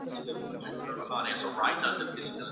صندلي عصري دود نه دی.